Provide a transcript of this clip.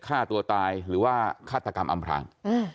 ฆ่าตัวตายหรือว่าฆาตกรรมอำพลาง